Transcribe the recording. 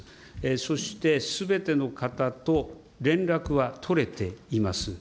そしてすべての方と連絡は取れています。